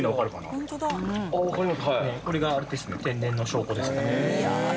これが天然の証拠ですね。